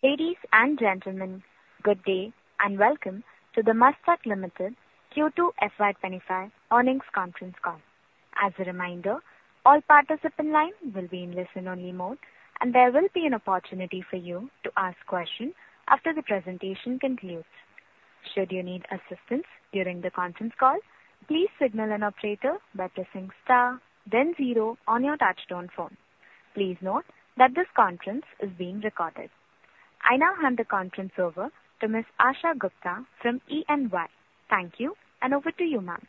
Ladies and gentlemen, good day, and welcome to the Mastek Limited Q2 FY 2025 earnings conference call. As a reminder, all participants in line will be in listen-only mode, and there will be an opportunity for you to ask questions after the presentation concludes. Should you need assistance during the conference call, please signal an operator by pressing star, then zero on your touchtone phone. Please note that this conference is being recorded. I now hand the conference over to Ms. Asha Gupta from E&Y. Thank you, and over to you, ma'am.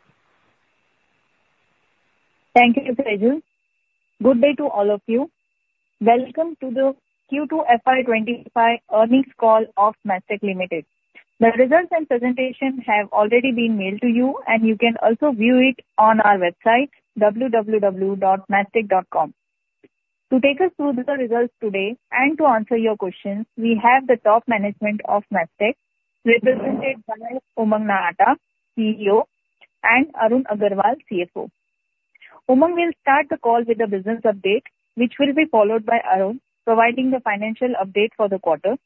Thank you, Rachel. Good day to all of you. Welcome to the Q2 FY 2025 earnings call of Mastek Limited. The results and presentation have already been mailed to you, and you can also view it on our website, www.mastek.com. To take us through the results today and to answer your questions, we have the top management of Mastek, represented by Umang Nahata, CEO, and Arun Agarwal, CFO. Umang will start the call with a business update, which will be followed by Arun providing the financial update for the quarter.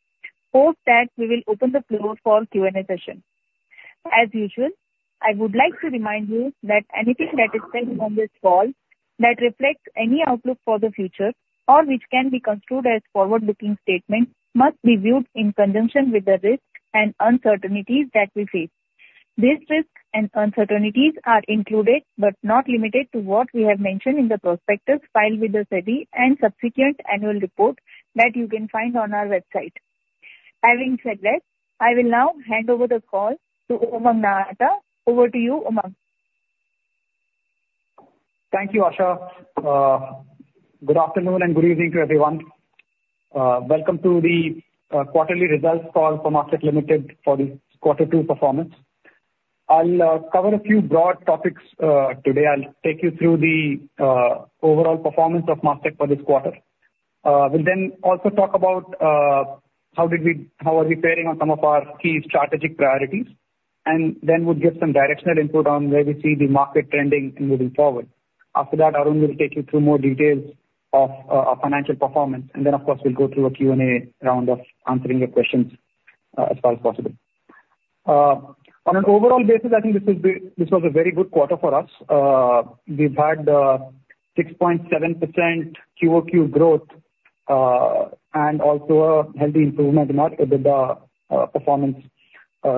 Post that, we will open the floor for Q&A session. As usual, I would like to remind you that anything that is said on this call that reflects any outlook for the future or which can be construed as forward-looking statement, must be viewed in conjunction with the risks and uncertainties that we face. These risks and uncertainties are included, but not limited to, what we have mentioned in the prospectus filed with the SEBI and subsequent annual report that you can find on our website. Having said that, I will now hand over the call to Umang Nahata. Over to you, Umang. Thank you, Asha. Good afternoon and good evening to everyone. Welcome to the quarterly results call for Mastek Limited for the quarter two performance. I'll cover a few broad topics today. I'll take you through the overall performance of Mastek for this quarter. We'll then also talk about how did we... How are we faring on some of our key strategic priorities, and then we'll give some directional input on where we see the market trending and moving forward. After that, Arun will take you through more details of our financial performance, and then, of course, we'll go through a Q&A round of answering your questions as far as possible. On an overall basis, I think this was a very good quarter for us. We've had 6.7% QoQ growth, and also a healthy improvement in our EBITDA performance,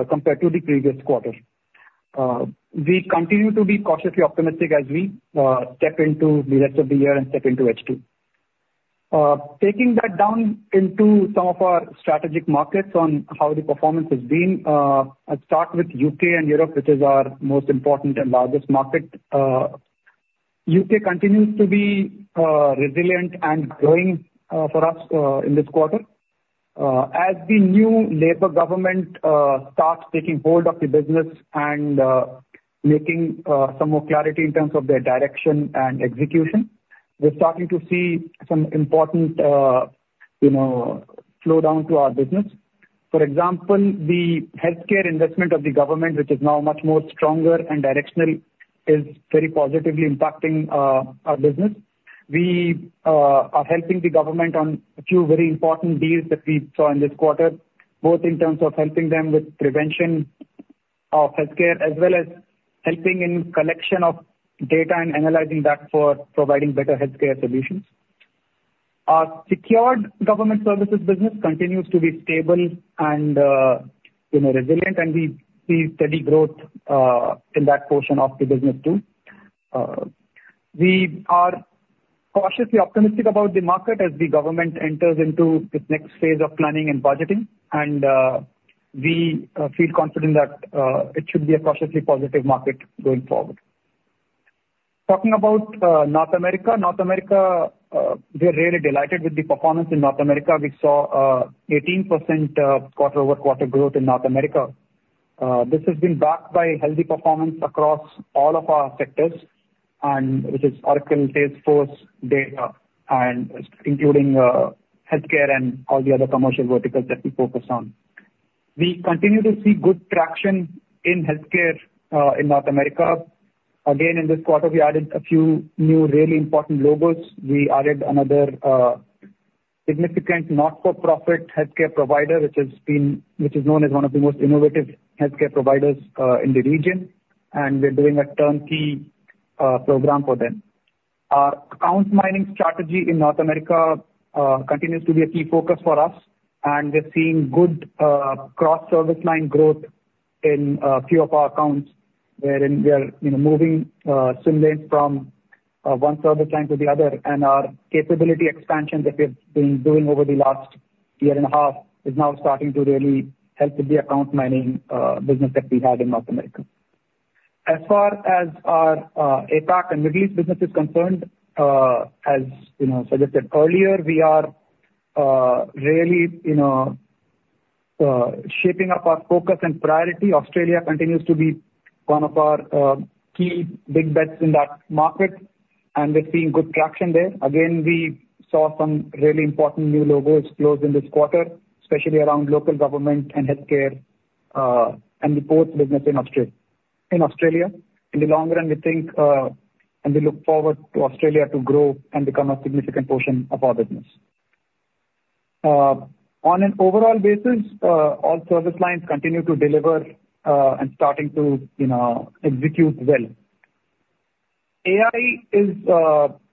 compared to the previous quarter. We continue to be cautiously optimistic as we step into the rest of the year and step into H2. Taking that down into some of our strategic markets on how the performance has been, I'll start with U.K. and Europe, which is our most important and largest market. U.K. continues to be resilient and growing for us in this quarter. As the new Labour government starts taking hold of the business and making some more clarity in terms of their direction and execution, we're starting to see some important, you know, flow down to our business. For example, the healthcare investment of the government, which is now much more stronger and directional, is very positively impacting our business. We are helping the government on a few very important deals that we saw in this quarter, both in terms of helping them with prevention of healthcare, as well as helping in collection of data and analyzing that for providing better healthcare solutions. Our secured government services business continues to be stable and, you know, resilient, and we see steady growth in that portion of the business, too. We are cautiously optimistic about the market as the government enters into this next phase of planning and budgeting, and we feel confident that it should be a cautiously positive market going forward. Talking about North America. North America, we are really delighted with the performance in North America. We saw 18% quarter-over-quarter growth in North America. This has been backed by healthy performance across all of our sectors, which is Oracle, Salesforce, data, including healthcare and all the other commercial verticals that we focus on. We continue to see good traction in healthcare in North America. Again, in this quarter, we added a few new really important logos. We added another significant not-for-profit healthcare provider, which is known as one of the most innovative healthcare providers in the region, and we're doing a turnkey program for them. Our account mining strategy in North America continues to be a key focus for us, and we're seeing good cross-service line growth in a few of our accounts, wherein we are, you know, moving them lanes from one service line to the other. And our capability expansion that we've been doing over the last year and a half is now starting to really help with the account mining business that we have in North America. As far as our APAC and Middle East business is concerned, as you know, suggested earlier, we are really, you know, shaping up our focus and priority. Australia continues to be one of our key big bets in that market, and we're seeing good traction there. Again, we saw some really important new logos close in this quarter, especially around local government and healthcare, and the ports business in Australia. In the long run, we think, and we look forward to Australia to grow and become a significant portion of our business. On an overall basis, all service lines continue to deliver, and starting to, you know, execute well. AI is,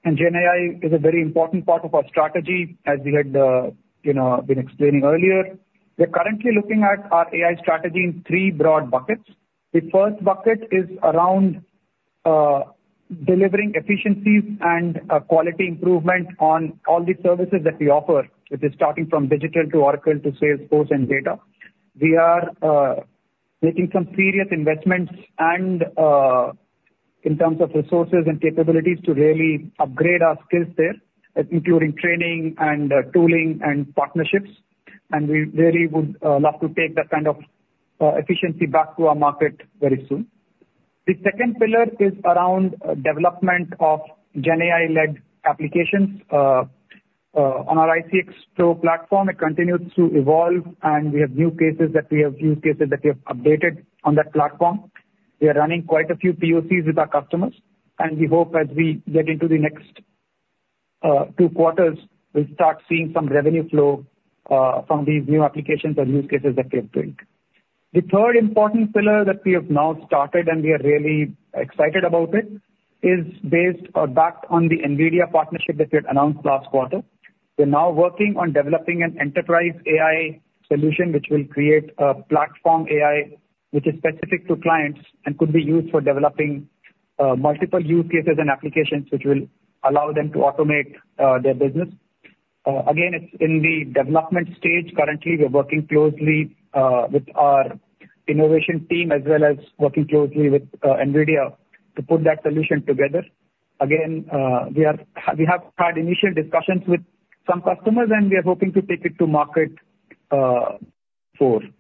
and GenAI is a very important part of our strategy, as we had, you know, been explaining earlier. We're currently looking at our AI strategy in three broad buckets. The first bucket is around, delivering efficiencies and, quality improvement on all the services that we offer, which is starting from Digital to Oracle to Salesforce and Data. We are making some serious investments and in terms of resources and capabilities to really upgrade our skills there, including training and tooling and partnerships, and we really would love to take that kind of efficiency back to our market very soon. The second pillar is around development of GenAI-led applications. On our icxPro platform, it continues to evolve, and we have use cases that we have updated on that platform. We are running quite a few POCs with our customers, and we hope as we get into the next two quarters, we'll start seeing some revenue flow from these new applications and use cases that we have built. The third important pillar that we have now started, and we are really excited about it, is based or backed on the NVIDIA partnership that we had announced last quarter. We're now working on developing an enterprise AI solution, which will create a platform AI, which is specific to clients and could be used for developing multiple use cases and applications, which will allow them to automate their business. Again, it's in the development stage. Currently, we're working closely with our innovation team, as well as working closely with NVIDIA, to put that solution together. Again, we have had initial discussions with some customers, and we are hoping to take it to market forward.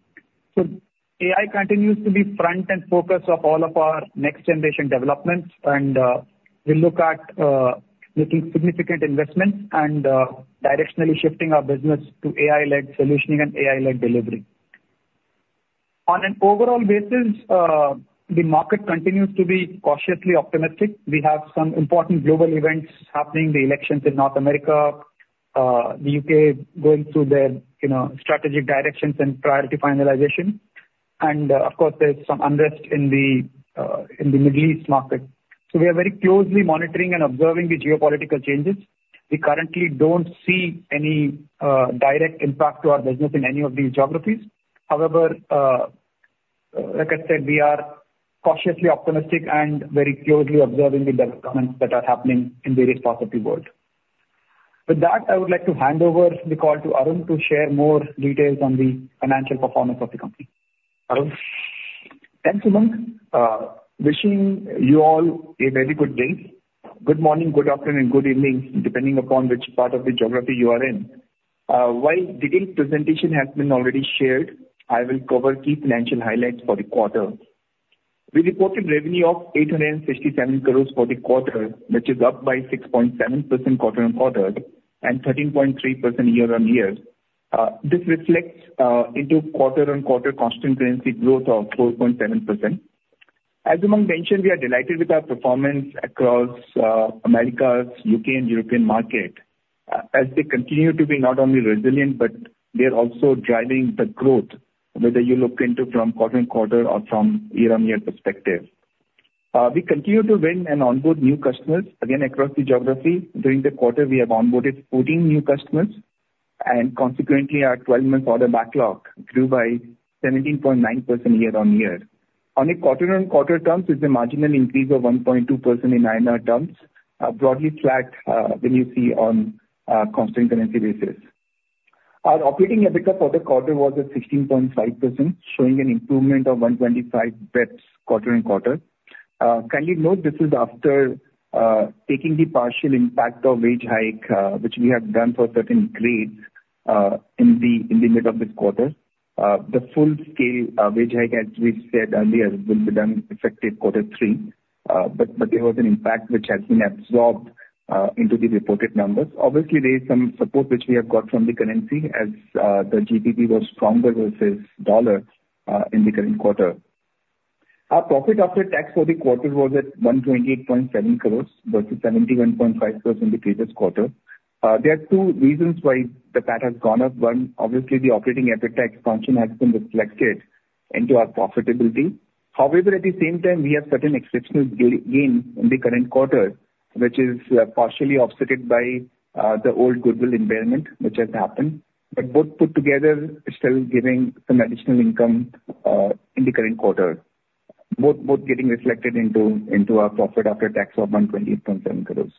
AI continues to be front and focus of all of our next-generation developments, and we look at making significant investments and directionally shifting our business to AI-led solutioning and AI-led delivery. On an overall basis, the market continues to be cautiously optimistic. We have some important global events happening, the elections in North America, the U.K. going through their, you know, strategic directions and priority finalization. Of course, there's some unrest in the Middle East market. We are very closely monitoring and observing the geopolitical changes. We currently don't see any direct impact to our business in any of these geographies. However, like I said, we are cautiously optimistic and very closely observing the developments that are happening in various parts of the world. With that, I would like to hand over the call to Arun to share more details on the financial performance of the company. Arun? Thanks, Umang. Wishing you all a very good day. Good morning, good afternoon, good evening, depending upon which part of the geography you are in. While detailed presentation has been already shared, I will cover key financial highlights for the quarter. We reported revenue of 867 crores for the quarter, which is up by 6.7% quarter-on-quarter and 13.3% year-on-year. This reflects into quarter-on-quarter constant currency growth of 4.7%. As Umang mentioned, we are delighted with our performance across Americas, U.K., and European market, as they continue to be not only resilient, but they are also driving the growth, whether you look into from quarter-on-quarter or from year-on-year perspective. We continue to win and onboard new customers, again, across the geography. During the quarter, we have onboarded fourteen new customers, and consequently, our twelve-month order backlog grew by 17.9% year-on-year. On a quarter-on-quarter terms, it's a marginal increase of 1.2% in INR terms, broadly flat, when you see on a constant currency basis. Our operating EBITDA for the quarter was at 16.5%, showing an improvement of 125 basis points quarter-and-quarter. Kindly note, this is after taking the partial impact of wage hike, which we have done for certain grades, in the mid of this quarter. The full scale wage hike, as we said earlier, will be done effective quarter three. But there was an impact which has been absorbed into the reported numbers. Obviously, there is some support which we have got from the currency, as the GBP was stronger versus dollar in the current quarter. Our profit after tax for the quarter was at 128.7 crores versus 71.5 crores in the previous quarter. There are two reasons why the PAT has gone up. One, obviously, the operating EBITDA function has been reflected into our profitability. However, at the same time, we have certain exceptional gain in the current quarter, which is partially offset by the old goodwill impairment, which has happened. But both put together are still giving some additional income in the current quarter, both getting reflected into our profit after tax of 128.7 crores.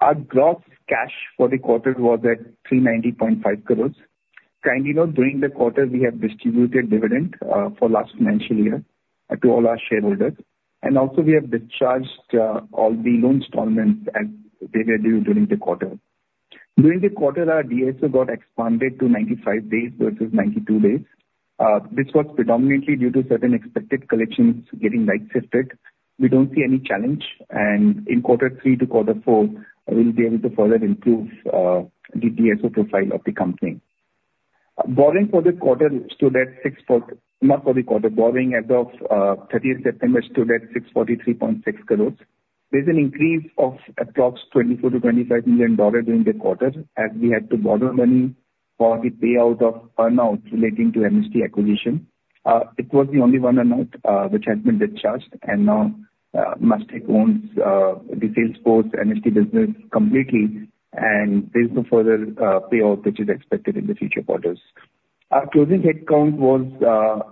Our gross cash for the quarter was at 390.5 crores. Kindly note, during the quarter, we have distributed dividend for last financial year to all our shareholders, and also we have discharged all the loan installments as they were due during the quarter. During the quarter, our DSO got expanded to 95 days versus 92 days. This was predominantly due to certain expected collections getting right-shifted. We don't see any challenge, and in quarter three to quarter four, we'll be able to further improve the DSO profile of the company. Borrowing for the quarter stood at six point- not for the quarter, borrowing as of 30th September stood at 643.6 crores. There's an increase of approximately $24 million-$25 million during the quarter, as we had to borrow money for the payout of earn-out relating to MST acquisition. It was the only one earn-out which has been discharged, and now Mastek owns the Salesforce MST business completely, and there's no further payout which is expected in the future quarters. Our closing headcount was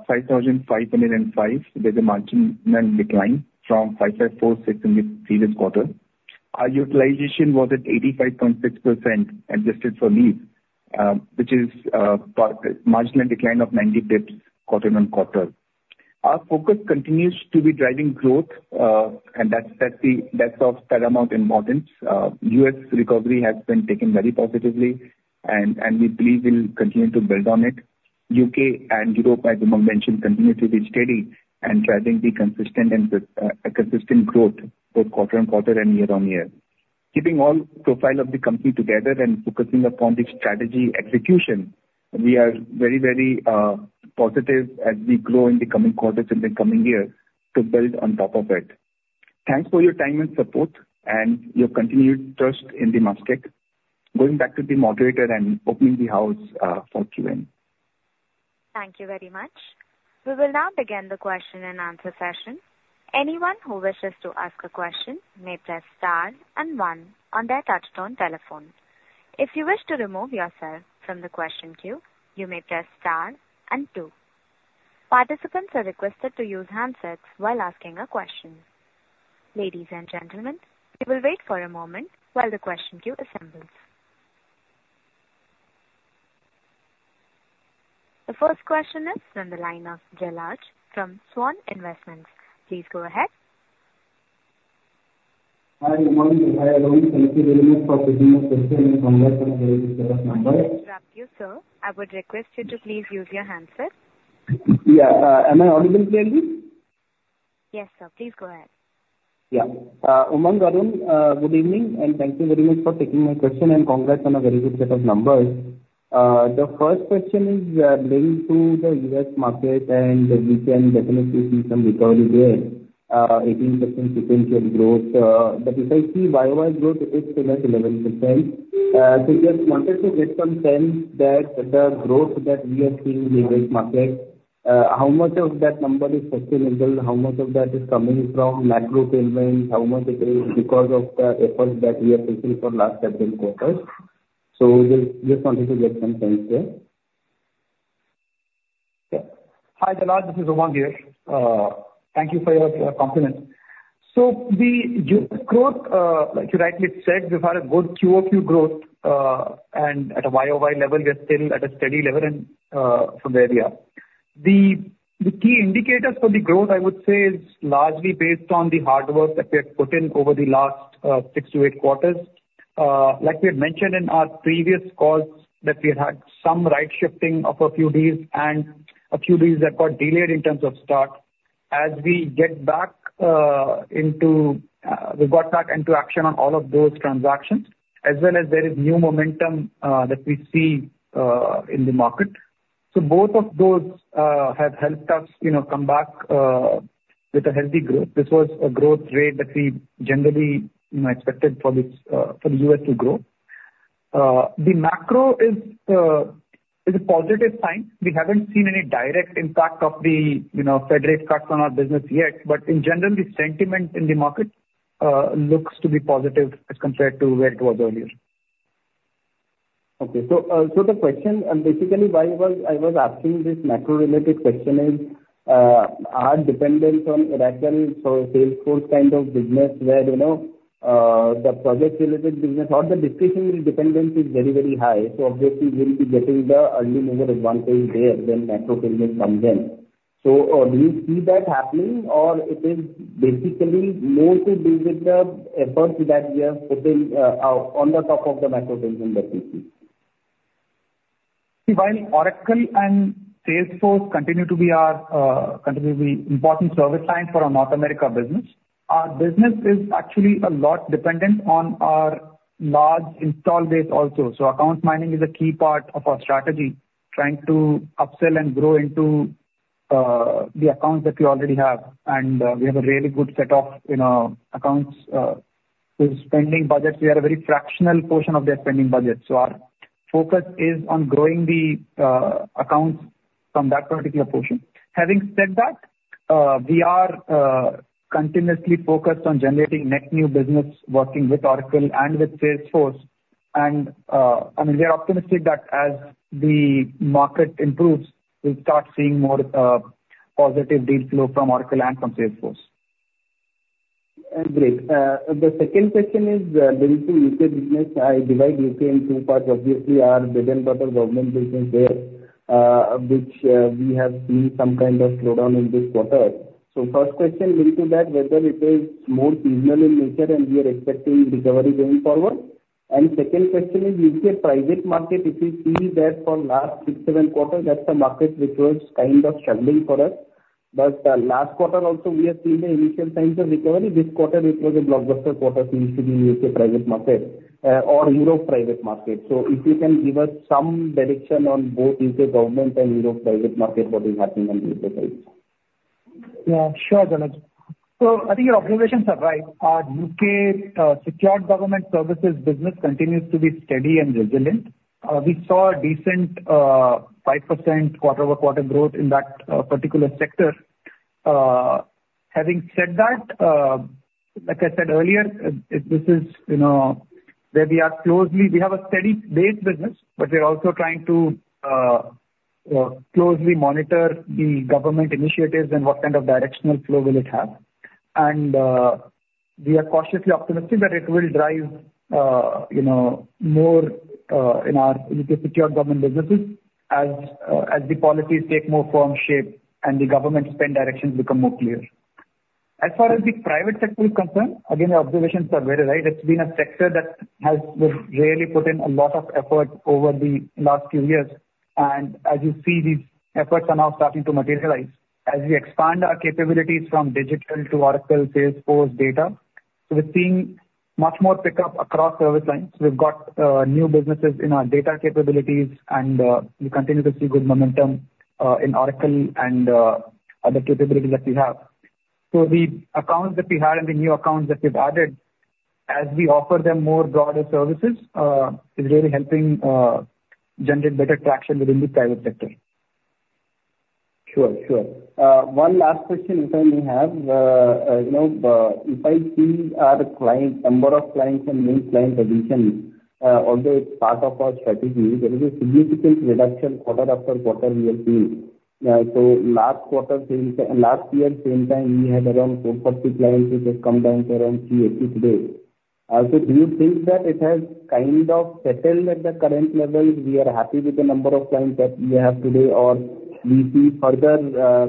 5,005. There's a marginal decline from 5,546 in the previous quarter. Our utilization was at 85.6% adjusted for leave, which is a marginal decline of 90 basis points quarter-on-quarter. Our focus continues to be driving growth, and that's of paramount importance. U.S. recovery has been taken very positively and we believe we'll continue to build on it. U.K. and Europe, as I mentioned, continue to be steady and driving the consistent and constant growth both quarter-on-quarter and year-on-year. Keeping all profile of the company together and focusing upon the strategy execution, we are very, very positive as we grow in the coming quarters and the coming year to build on top of it. Thanks for your time and support and your continued trust in the Mastek. Going back to the moderator and opening the floor for Q&A. Thank you very much. We will now begin the question and answer session. Anyone who wishes to ask a question may press star and one on their touchtone telephone. If you wish to remove yourself from the question queue, you may press star and two. Participants are requested to use handsets while asking a question. Ladies and gentlemen, we will wait for a moment while the question queue assembles. The first question is from the line of Jalaj Svan Investments. please go ahead. Hi, good morning. Hi, Arun, thank you very much for taking my question and congrats on a very good set of numbers. I interrupted you, sir. I would request you to please use your handset. Yeah, am I audible clearly? Yes, sir, please go ahead. Yeah. Umang, Arun, good evening, and thank you very much for taking my question, and congrats on a very good set of numbers. The first question is related to the U.S. market, and we can definitely see some recovery there, 18% sequential growth. But if I see YoY growth is still at 11%. So just wanted to get some sense that the growth that we are seeing in the U.S. market, how much of that number is sustainable? How much of that is coming from macro trends? How much it is because of the efforts that we have taken for last several quarters? So we just wanted to get some sense there. Yeah. Hi, Jalaj, this is Umang here. Thank you for your compliment. So the U.S. growth, like you rightly said, we've had a good QoQ growth, and at a YoY level, we are still at a steady level and, from there we are. The key indicators for the growth, I would say, is largely based on the hard work that we have put in over the last six to eight quarters. Like we had mentioned in our previous calls, that we had some right shifting of a few deals and a few deals that got delayed in terms of start. As we get back into, we got back into action on all of those transactions, as well as there is new momentum that we see in the market. Both of those have helped us, you know, come back with a healthy growth. This was a growth rate that we generally, you know, expected for the U.S. to grow. The macro is a positive sign. We haven't seen any direct impact of the, you know, Fed rate cuts on our business yet. But in general, the sentiment in the market looks to be positive as compared to where it was earlier. Okay. So, so the question, and basically why I was, I was asking this macro-related question is, our dependence on Oracle for Salesforce kind of business where, you know, the project-related business or the discretionary dependence is very, very high, so obviously we'll be getting the early mover advantage there when macro trends come in. So, do you see that happening, or it is basically more to do with the efforts that we have put in, on the top of the macro trends in the business? See, while Oracle and Salesforce continue to be our, continue to be important service line for our North America business, our business is actually a lot dependent on our large installed base also. So account mining is a key part of our strategy, trying to upsell and grow into, the accounts that we already have. And, we have a really good set of, you know, accounts, with spending budgets. We are a very fractional portion of their spending budget, so our focus is on growing the, accounts from that particular portion. Having said that, we are, continuously focused on generating net new business, working with Oracle and with Salesforce. And, I mean, we are optimistic that as the market improves, we'll start seeing more, positive deal flow from Oracle and from Salesforce. Great. The second question is related to U.K. business. I divide U.K. in two parts. Obviously, our bread and butter government business there, which we have seen some kind of slowdown in this quarter. So first question related to that, whether it is more seasonal in nature and we are expecting recovery going forward? And second question is U.K. private market, if you see that for last six, seven quarters, that's a market which was kind of struggling for us... But last quarter also, we have seen the initial signs of recovery. This quarter, it was a blockbuster quarter in the U.K. private market or Europe private market. So if you can give us some direction on both U.K. government and Europe private market, what is happening on U.K. side? Yeah, sure, Jalaj. So I think your observations are right. Our U.K. secured government services business continues to be steady and resilient. We saw a decent 5% quarter-over-quarter growth in that particular sector. Having said that, like I said earlier, this is, you know, where we are closely... We have a steady base business, but we are also trying to closely monitor the government initiatives and what kind of directional flow will it have. And we are cautiously optimistic that it will drive, you know, more in our U.K. secured government businesses as the policies take more firm shape and the government spend directions become more clear. As far as the private sector is concerned, again, your observations are very right. It's been a sector that has really put in a lot of effort over the last few years, and as you see, these efforts are now starting to materialize. As we expand our capabilities from digital to Oracle Salesforce data, we're seeing much more pickup across service lines. We've got new businesses in our data capabilities, and we continue to see good momentum in Oracle and other capabilities that we have. So the accounts that we had and the new accounts that we've added, as we offer them more broader services, is really helping generate better traction within the private sector. Sure, sure. One last question, Umang, we have, you know, if I see our client number of clients and new client additions, although it's part of our strategy, there is a significant reduction quarter-after-quarter we are seeing. So last year, same time, we had around 450 clients, which has come down to around 380 today. Also, do you think that it has kind of settled at the current level, we are happy with the number of clients that we have today, or we see further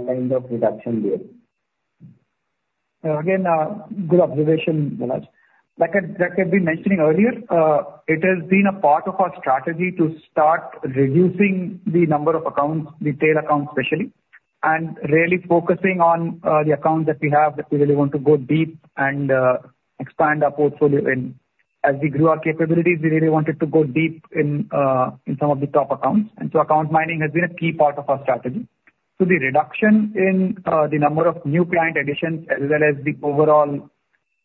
kind of reduction there? Again, good observation, Jalaj. Like I, like I've been mentioning earlier, it has been a part of our strategy to start reducing the number of accounts, the tail accounts especially, and really focusing on the accounts that we have, that we really want to go deep and expand our portfolio in. As we grew our capabilities, we really wanted to go deep in in some of the top accounts, and so account mining has been a key part of our strategy. So the reduction in the number of new client additions as well as the overall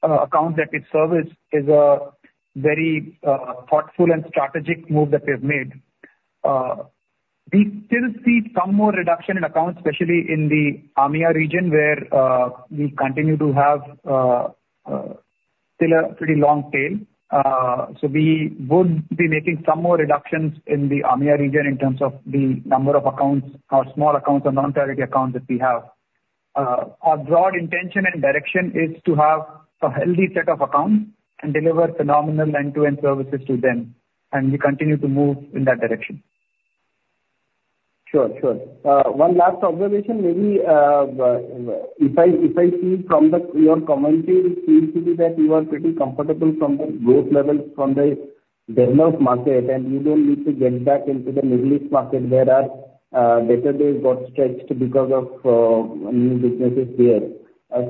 accounts that we service is a very thoughtful and strategic move that we have made. We still see some more reduction in accounts, especially in the AMEA region, where we continue to have still a pretty long tail. So we would be making some more reductions in the AMEA region in terms of the number of accounts or small accounts or non-target accounts that we have. Our broad intention and direction is to have a healthy set of accounts and deliver phenomenal end-to-end services to them, and we continue to move in that direction. Sure, sure. One last observation may be, if I see from the, your commentary, it seems to be that you are pretty comfortable from the growth levels from the developed market, and you don't need to get back into the Middle East market, where our, debtor days got stretched because of, new businesses there.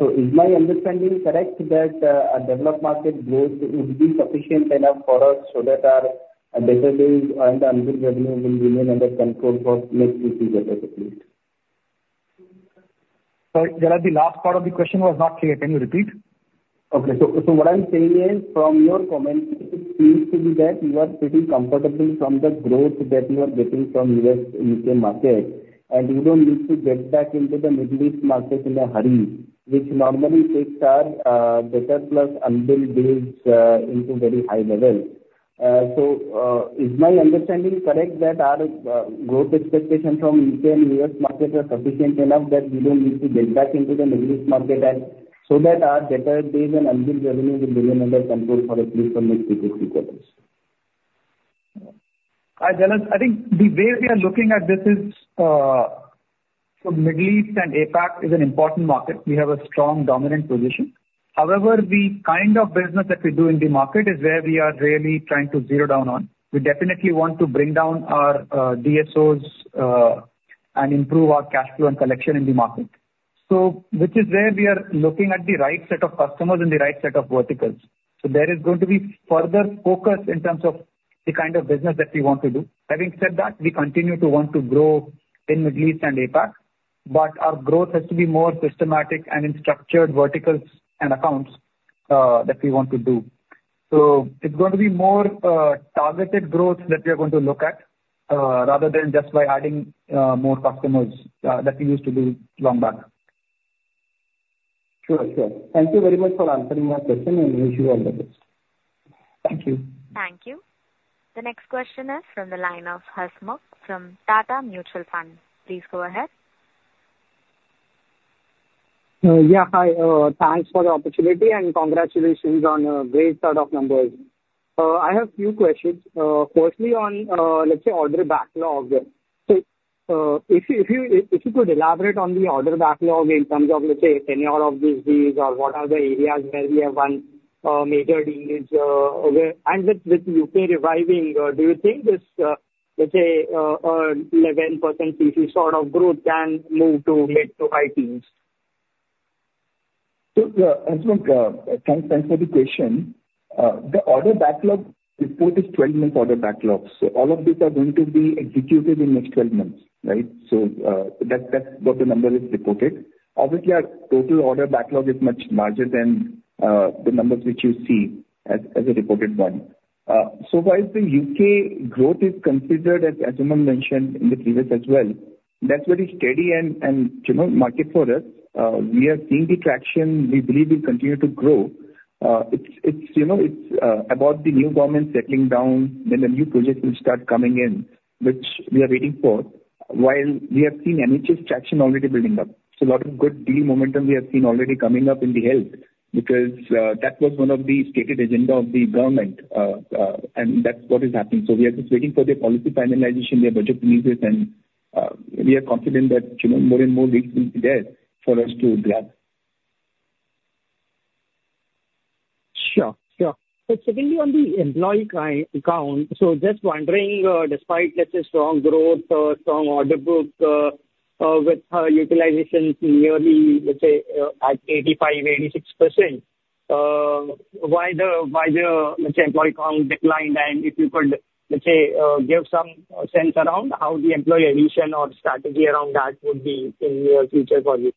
So is my understanding correct that, our developed market growth would be sufficient enough for us so that our debtor days and unbilled revenue will remain under control for next few quarters at least? Sorry, Jalaj, the last part of the question was not clear. Can you repeat? Okay, so what I'm saying is, from your commentary, it seems to be that you are pretty comfortable from the growth that you are getting from U.S., U.K. market, and you don't need to get back into the Middle East market in a hurry, which normally takes our, debtor plus unbilled days, into very high levels, so is my understanding correct that our, growth expectation from U.K. and U.S. market are sufficient enough that we don't need to get back into the Middle East market, so that our debtor days and unbilled revenue will remain under control for at least the next two, three quarters? Dhananjay, I think the way we are looking at this is, so Middle East and APAC is an important market. We have a strong, dominant position. However, the kind of business that we do in the market is where we are really trying to zero down on. We definitely want to bring down our, DSOs, and improve our cash flow and collection in the market. So which is where we are looking at the right set of customers and the right set of verticals. So there is going to be further focus in terms of the kind of business that we want to do. Having said that, we continue to want to grow in Middle East and APAC, but our growth has to be more systematic and in structured verticals and accounts, that we want to do. So it's going to be more targeted growth that we are going to look at, rather than just by adding more customers that we used to do long back. Sure, sure. Thank you very much for answering my question, and wish you all the best. Thank you. Thank you. The next question is from the line of Hasmukh from Tata Mutual Fund. Please go ahead. Yeah, hi. Thanks for the opportunity, and congratulations on a great set of numbers. I have few questions. Firstly, on, let's say, order backlog. So, if you could elaborate on the order backlog in terms of, let's say, tenure of these deals or what are the areas where we have won major deals, where. And with U.K. reviving, do you think this, let's say, 11% CC sort of growth can move to mid to high teens? So, as well, thanks for the question. The order backlog report is twelve-month order backlogs. So all of these are going to be executed in the next twelve months, right? So, that, that's what the number is reported. Obviously, our total order backlog is much larger than the numbers which you see as a reported one. So while the U.K. growth is considered, as Umang mentioned in the previous as well, that's very steady and, you know, market for us. We are seeing the traction. We believe we continue to grow. It's, you know, it's about the new government settling down, then the new projects will start coming in, which we are waiting for, while we have seen NHS traction already building up. So a lot of good deal momentum we have seen already coming up in the health. Because that was one of the stated agenda of the government, and that's what is happening. So we are just waiting for the policy finalization, their budget releases, and we are confident that, you know, more and more leads will be there for us to grab. Sure. Sure. So secondly, on the employee count, so just wondering, despite, let's say, strong growth, strong order book, with utilization nearly, let's say, at 85%-86%, why the employee count declined? And if you could, let's say, give some sense around how the employee addition or strategy around that would be in near future for you.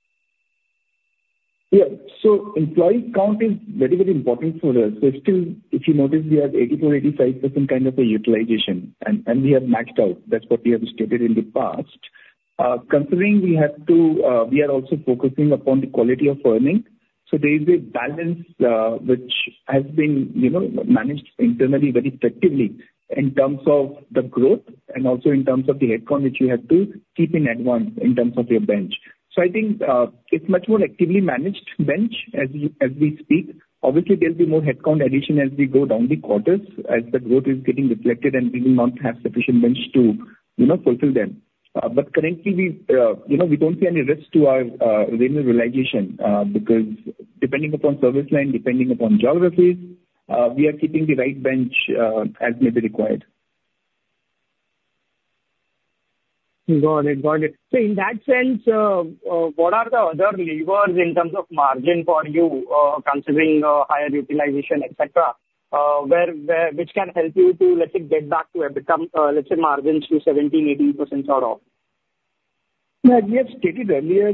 Yeah. So employee count is very, very important for us. So still, if you notice, we have 84%-85% kind of a utilization, and we have maxed out. That's what we have stated in the past. Considering we have to, we are also focusing upon the quality of earning. So there is a balance, which has been, you know, managed internally very effectively in terms of the growth and also in terms of the headcount, which you have to keep in advance in terms of your bench. So I think, it's much more actively managed bench as we speak. Obviously, there'll be more headcount addition as we go down the quarters, as the growth is getting reflected, and we will not have sufficient bench to, you know, fulfill them. But currently, we, you know, we don't see any risk to our revenue realization, because depending upon service line, depending upon geographies, we are keeping the right bench, as may be required. Got it. Got it. So in that sense, what are the other levers in terms of margin for you, considering higher utilization, et cetera, which can help you to, let's say, get back to EBITDA, let's say, margins to 17%-18%, sort of? Yeah, we have stated earlier,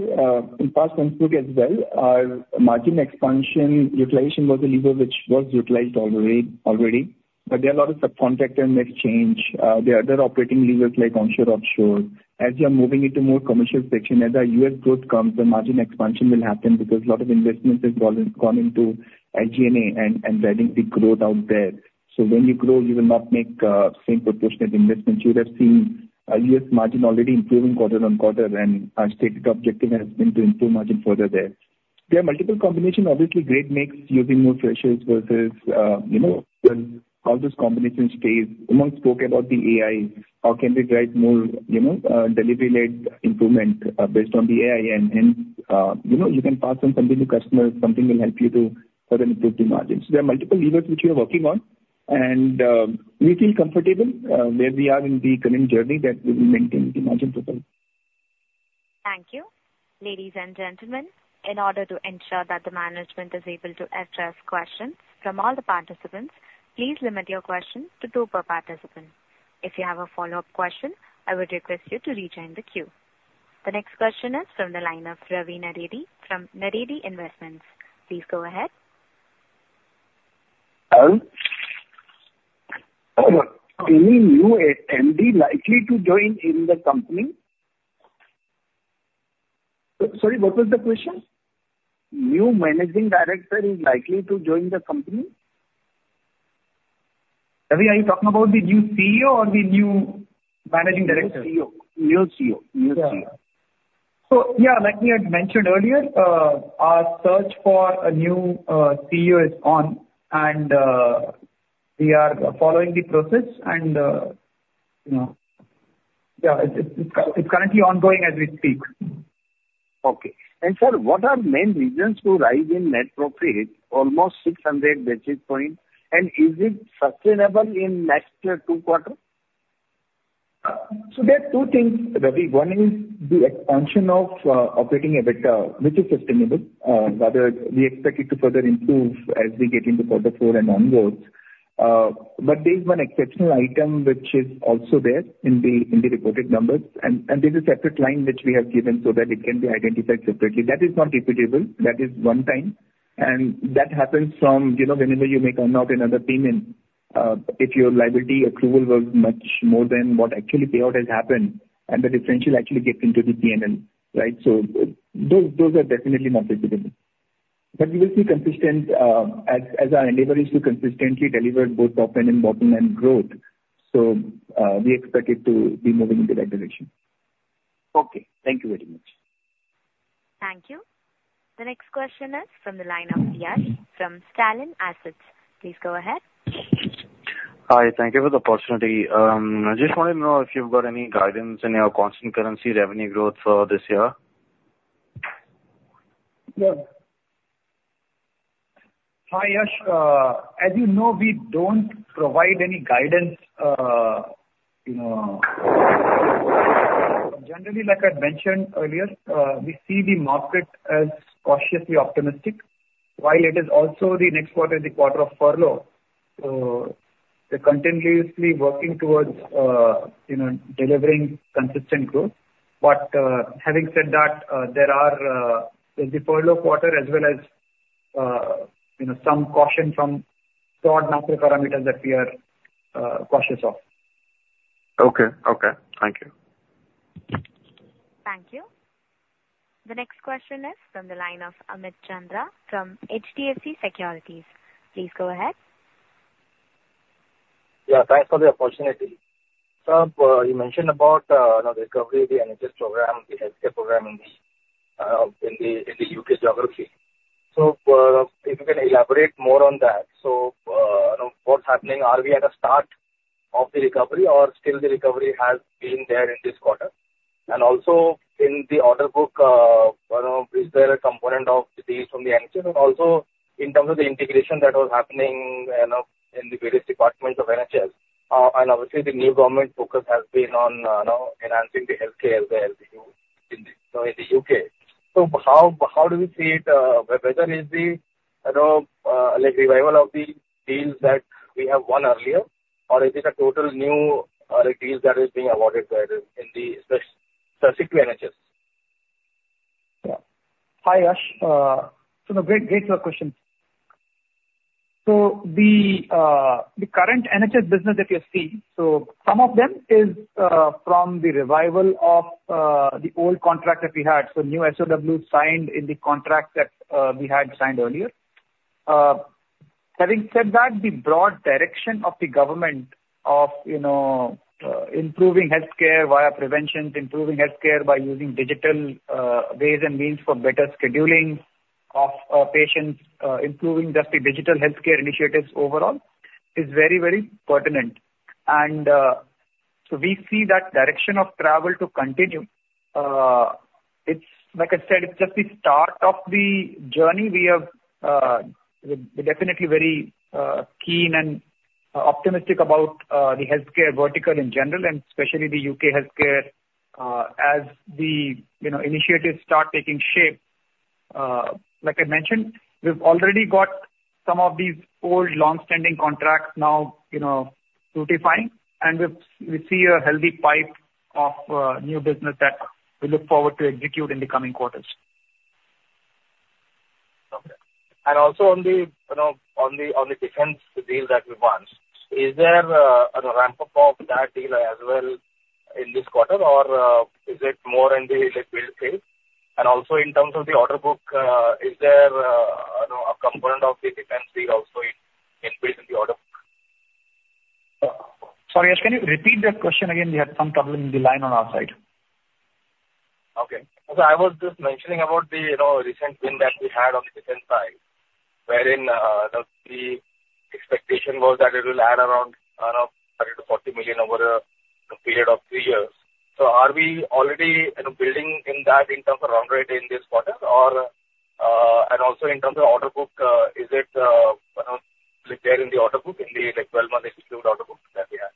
in past institute as well, our margin expansion utilization was a lever which was utilized already. But there are a lot of subcontractor mix change. There are other operating levers, like onshore, offshore. As you are moving into more commercial section, as our U.S. growth comes, the margin expansion will happen because a lot of investments have gone into GenAI and driving the growth out there. So when you grow, you will not make same proportionate investments. You would have seen our U.S. margin already improving quarter-on-quarter, and our stated objective has been to improve margin further there. There are multiple combination. Obviously, great mix, using more freshers versus, you know, when all this combination stays. Umang spoke about the AI. How can we drive more, you know, delivery-led improvement based on the AI? You know, you can pass on something to customers. Something will help you to further improve the margins. There are multiple levers which we are working on, and we feel comfortable where we are in the current journey, that we will maintain the margin profile. Thank you. Ladies and gentlemen, in order to ensure that the management is able to address questions from all the participants, please limit your questions to two per participant. If you have a follow-up question, I would request you to rejoin the queue. The next question is from the line of Ravi Naredi, from Naredi Investments. Please go ahead. Any new MD likely to join in the company? Sorry, what was the question? New managing director is likely to join the company? Ravi, are you talking about the new CEO or the new managing director? CEO. New CEO. New CEO. So yeah, like we had mentioned earlier, our search for a new CEO is on, and we are following the process, and you know, yeah, it's currently ongoing as we speak. Okay. And sir, what are main reasons to rise in net profit, almost 600 basis points, and is it sustainable in next two quarters? So there are two things, Ravi. One is the expansion of operating EBITDA, which is sustainable. Rather, we expect it to further improve as we get into quarter four and onwards. But there is one exceptional item which is also there in the reported numbers, and there's a separate line which we have given so that it can be identified separately. That is not repeatable. That is one time. And that happens from, you know, whenever you make a note in other P&L, if your liability accrual was much more than what actually payout has happened, and the differential actually gets into the P&L, right? So those are definitely not repeatable. But you will see consistent, as our endeavor is to consistently deliver both top-end and bottom-end growth. We expect it to be moving in the right direction. Okay. Thank you very much. Thank you. The next question is from the line of Yash, from Stallion Asset. Please go ahead. Hi. Thank you for the opportunity. I just wanted to know if you've got any guidance in your constant currency revenue growth for this year? Hi, Yash. As you know, we don't provide any guidance, you know. Generally, like I'd mentioned earlier, we see the market as cautiously optimistic, while it is also the next quarter, the quarter of furlough. So we're continuously working towards, you know, delivering consistent growth. But, having said that, there are, the furlough quarter as well as, you know, some caution from broad macro parameters that we are cautious of. Okay. Okay, thank you. Thank you. The next question is from the line of Amit Chandra from HDFC Securities. Please go ahead. Yeah, thanks for the opportunity. Sir, you mentioned about, you know, the recovery of the NHS program, the healthcare program in the U.K. geography. So, you know, what's happening? Are we at a start of the recovery, or still the recovery has been there in this quarter? And also, in the order book, you know, is there a component of the deals from the NHS, and also in terms of the integration that was happening, you know, in the various departments of NHS? And obviously, the new government focus has been on, you know, enhancing the healthcare as well, you know, in the U.K. So how do we see it, whether it's the, you know, like, revival of the deals that we have won earlier? Or is it a totally new deals that is being awarded, specifically to NHS? Yeah. Hi, Yash. So no, great, great question. So the current NHS business that you're seeing, so some of them is from the revival of the old contract that we had, so new SOW signed in the contract that we had signed earlier. Having said that, the broad direction of the government of, you know, improving healthcare via preventions, improving healthcare by using digital ways and means for better scheduling of patients, improving just the digital healthcare initiatives overall is very, very pertinent and so we see that direction of travel to continue. It's like I said, it's just the start of the journey. We are, we're definitely very keen and optimistic about the healthcare vertical in general, and especially the U.K. healthcare, as the, you know, initiatives start taking shape. Like I mentioned, we've already got some of these old, long-standing contracts now, you know, fructifying, and we've, we see a healthy pipe of new business that we look forward to execute in the coming quarters. Okay. And also on the, you know, defense deal that we won, is there a ramp-up of that deal as well in this quarter, or is it more in the like build phase? And also, in terms of the order book, is there a component of the defense deal also in place in the order? Sorry, Yash, can you repeat that question again? We had some trouble in the line on our side. Okay. So I was just mentioning about the, you know, recent win that we had on the defense side, wherein the expectation was that it will add around $30 million-$40 million over a period of 3 years. So are we already, you know, building in that in terms of run rate in this quarter? Or, and also in terms of order book, is it, you know, like, there in the order book, in the like, 12-month execute order book that we have?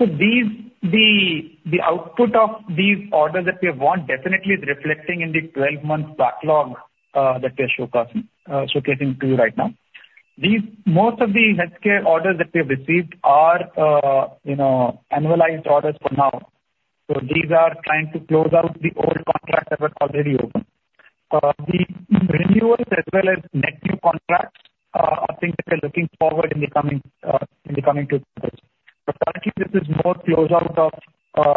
So these, the output of these orders that we have won definitely is reflecting in the twelve-month backlog that we are showcasing to you right now. These, most of the healthcare orders that we have received are, you know, annualized orders for now. So these are trying to close out the old contracts that were already open. The renewals as well as net new contracts, I think we are looking forward in the coming quarters. But currently, this is more close out of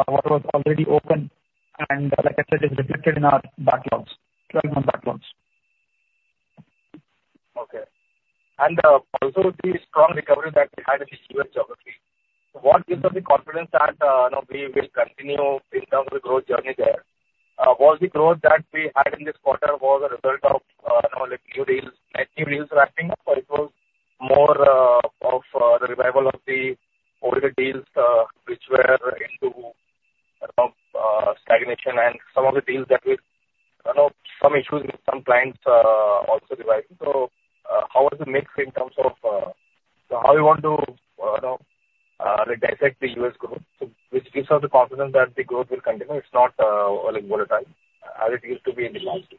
what was already open, and like I said, it's reflected in our backlogs, twelve-month backlogs. Okay. And also the strong recovery that we had in the U.S. geography, what gives us the confidence that, you know, we will continue in terms of the growth journey there? Was the growth that we had in this quarter was a result of, you know, like new deals, net new deals ramping, or it was more of the revival of the older deals, which were into stagnation, and some of the deals that we... I know some issues with some clients, also reviving. So, how is the mix in terms of, so how you want to, you know, like dissect the U.S. growth? So which gives us the confidence that the growth will continue, it's not, like volatile as it used to be in the past?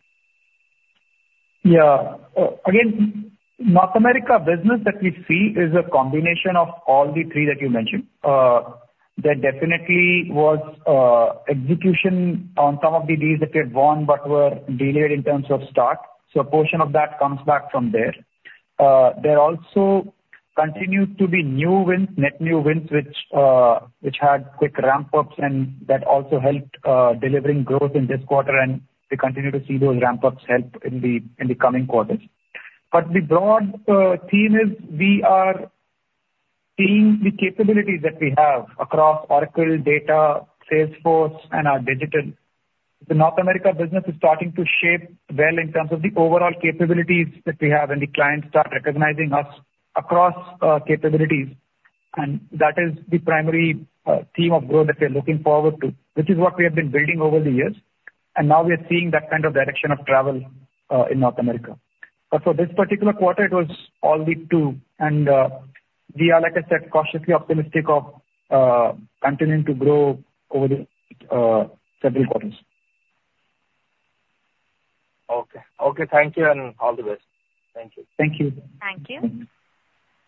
Yeah. Again, North America business that we see is a combination of all the three that you mentioned. There definitely was execution on some of the deals that we had won but were delayed in terms of start, so a portion of that comes back from there. There also continued to be new wins, net new wins, which had quick ramp-ups, and that also helped delivering growth in this quarter, and we continue to see those ramp-ups help in the coming quarters. But the broad theme is we are seeing the capabilities that we have across Oracle, Data, Salesforce, and our digital. The North America business is starting to shape well in terms of the overall capabilities that we have, and the clients start recognizing us across capabilities. And that is the primary theme of growth that we are looking forward to, which is what we have been building over the years, and now we are seeing that kind of direction of travel in North America. But for this particular quarter, it was all Q2, and we are, like I said, cautiously optimistic of continuing to grow over the several quarters. Okay. Okay, thank you, and all the best. Thank you. Thank you. Thank you.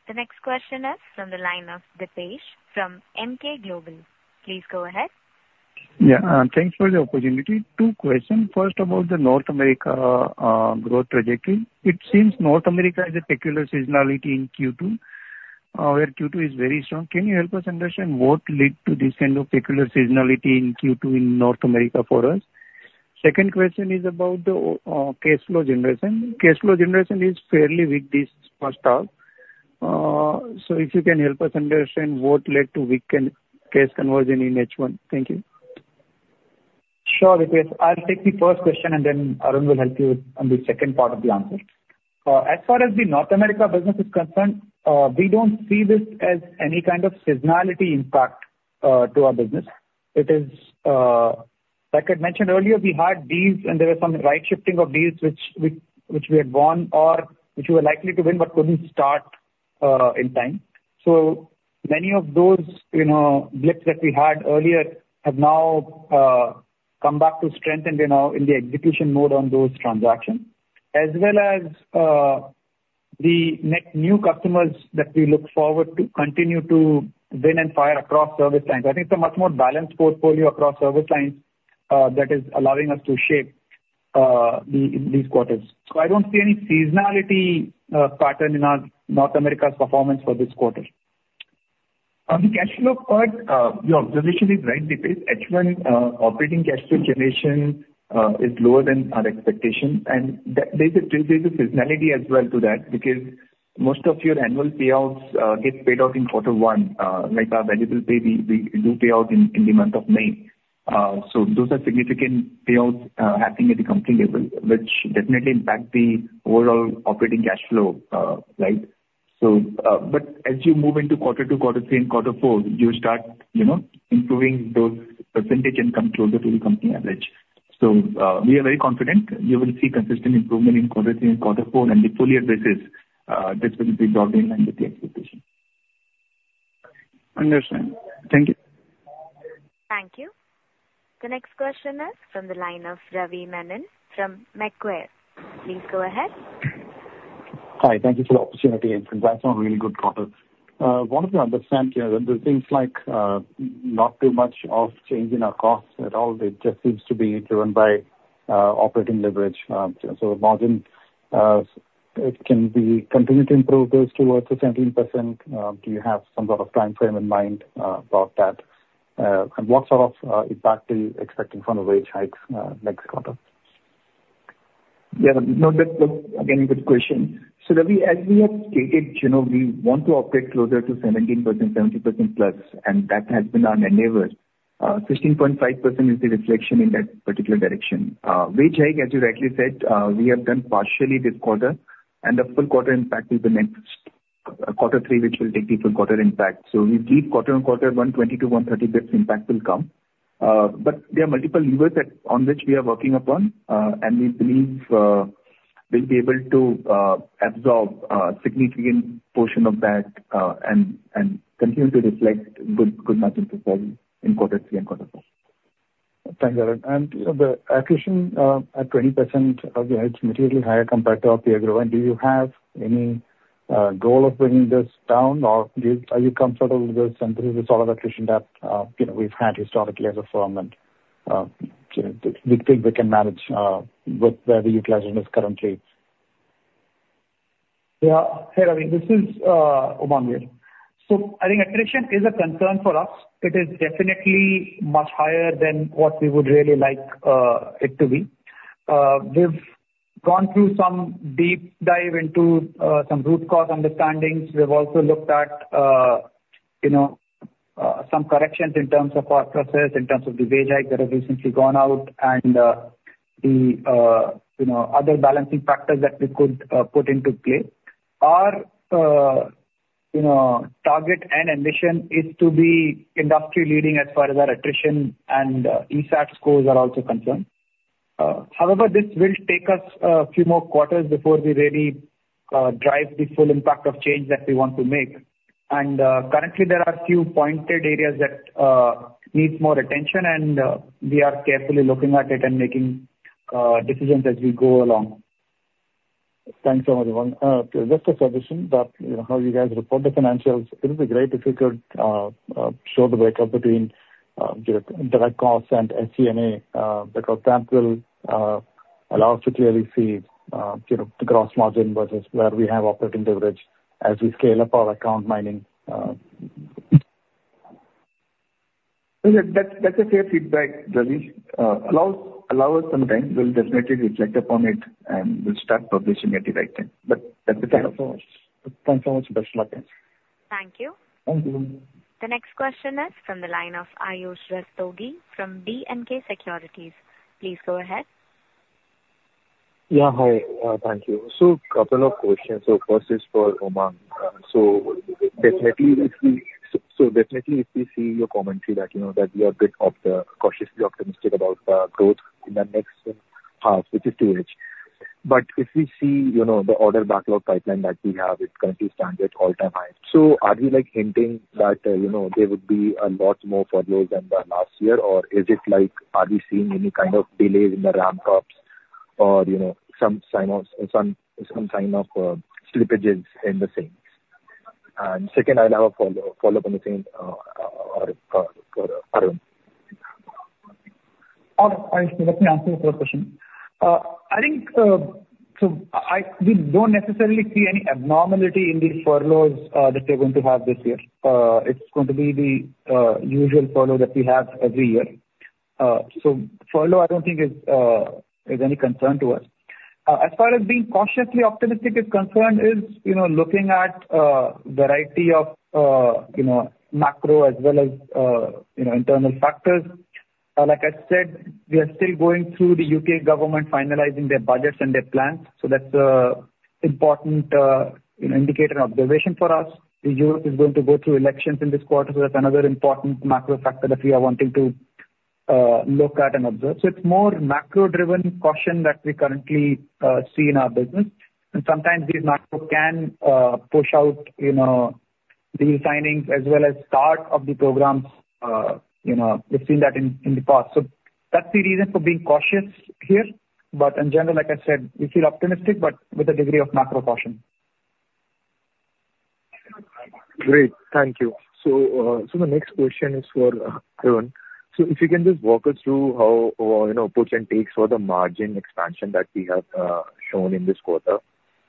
The next question is from the line of Dipesh from Emkay Global Financial Services. Please go ahead. Yeah, thanks for the opportunity. Two questions. First, about the North America growth trajectory. It seems North America has a peculiar seasonality in Q2, where Q2 is very strong. Can you help us understand what led to this kind of peculiar seasonality in Q2 in North America for us? Second question is about the cash flow generation. Cash flow generation is fairly weak this first half. So if you can help us understand what led to weak cash conversion in H1. Thank you. Sure, Dipesh. I'll take the first question, and then Arun will help you on the second part of the answer. As far as the North America business is concerned, we don't see this as any kind of seasonality impact to our business. It is, like I mentioned earlier, we had deals, and there was some right shifting of deals which we had won or which we were likely to win, but couldn't start in time. So many of those, you know, blips that we had earlier have now come back to strength, and we're now in the execution mode on those transactions. As well as, the net new customers that we look forward to continue to win and fire across service lines. I think it's a much more balanced portfolio across service lines that is allowing us to shape these quarters, so I don't see any seasonality pattern in our North America's performance for this quarter. On the cash flow part, your observation is right, Dipesh. H1 operating cash flow generation is lower than our expectation, and there's a seasonality as well to that, because most of your annual payouts get paid out in quarter one, like our variable pay, we do pay out in the month of May, so those are significant payouts happening at the company level, which definitely impact the overall operating cash flow, right? So, but as you move into quarter two, quarter three, and quarter four, you start, you know, improving those percentage and come closer to the company average. So, we are very confident you will see consistent improvement in quarter three and quarter four, and the full year this is, this will be broadly in line with the expectation. Understand. Thank you. Thank you. The next question is from the line of Ravi Menon from Macquarie. Please go ahead. Hi. Thank you for the opportunity, and congrats on a really good quarter. Wanted to understand here, there are things like, not too much of change in our costs at all. It just seems to be driven by operating leverage. So margin, it can be continued to improve this towards the 17%. Do you have some sort of timeframe in mind, about that, and what sort of impact are you expecting from the wage hikes next quarter? Yeah, no, that's again a good question. So Ravi, as we have stated, you know, we want to operate closer to 17%, 70% plus, and that has been our endeavor. Sixteen point five percent is the reflection in that particular direction. Wage hike, as you rightly said, we have done partially this quarter, and the full quarter impact will be next quarter three, which will take the full quarter impact. So we believe quarter-on-quarter, 120 to 130, this impact will come. But there are multiple levers that on which we are working upon, and we believe we'll be able to absorb significant portion of that, and continue to reflect good margin performance in quarter three and quarter four. Thanks, Arun. And the attrition at 20% and it's materially higher compared to our peer group. And do you have any goal of bringing this down, or are you comfortable with this and this is all of the attrition that you know, we've had historically as a firm, and we think we can manage with where the utilization is currently? Yeah. Hey, Ravi, this is Umang here. So I think attrition is a concern for us. It is definitely much higher than what we would really like it to be. We've gone through some deep dive into some root cause understandings. We've also looked at you know some corrections in terms of our process, in terms of the wage hike that has recently gone out and the you know other balancing factors that we could put into play. Our you know target and ambition is to be industry-leading as far as our attrition and ESAT scores are also concerned. However, this will take us a few more quarters before we really drive the full impact of change that we want to make. Currently there are a few pointed areas that needs more attention, and we are carefully looking at it and making decisions as we go along. Thanks so much, Umang. Just a suggestion that, you know, how you guys report the financials, it would be great if you could show the breakup between direct costs and SG&A, because that will allow us to clearly see, you know, the gross margin versus where we have operating leverage as we scale up our account mining. That's, that's a fair feedback, Ravi. Allow us, allow us some time. We'll definitely reflect upon it, and we'll start publishing at the right time. But that's it. Thanks so much. Thanks so much. Best luck. Thank you. Thank you. The next question is from the line of Ayush Rastogi from B&K Securities. Please go ahead. Yeah, hi. Thank you. So couple of questions. So first is for Umang. So definitely if we see your commentary that you know, that you are a bit cautiously optimistic about the growth in the next half, which is 2H. But if we see, you know, the order backlog pipeline that we have, it's currently standing at an all-time high. So are we, like, hinting that, you know, there would be a lot more furloughs than the last year? Or is it like, are we seeing any kind of delays in the ramp ups or, you know, some sign of slippages in the same? And second, I'll have a follow-up on the same for Arun. Let me answer the first question. I think, so we don't necessarily see any abnormality in the furloughs that we're going to have this year. It's going to be the usual furlough that we have every year. So furlough, I don't think is any concern to us. As far as being cautiously optimistic is concerned, you know, looking at variety of you know, macro as well as you know, internal factors. Like I said, we are still going through the U.K. government finalizing their budgets and their plans, so that's a important you know, indicator and observation for us. The U.S. is going to go through elections in this quarter, so that's another important macro factor that we are wanting to look at and observe. So it's more macro-driven caution that we currently see in our business. And sometimes these macro can push out, you know, the signings as well as start of the programs. You know, we've seen that in the past. So that's the reason for being cautious here. But in general, like I said, we feel optimistic, but with a degree of macro caution. Great. Thank you. So, so the next question is for Arun. So if you can just walk us through how, or, you know, puts and takes for the margin expansion that we have shown in this quarter.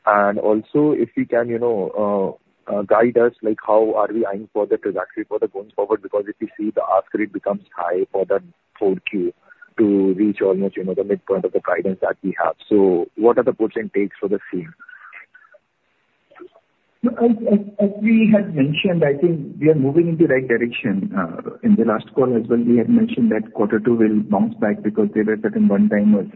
And also, if you can, you know, guide us, like, how are we eyeing for the trajectory for the going forward? Because if you see, the ask rate becomes high for the 4Q to reach almost, you know, the midpoint of the guidance that we have. So what are the puts and takes for the same? As we had mentioned, I think we are moving in the right direction. In the last call as well, we had mentioned that quarter two will bounce back because there were certain one-timers,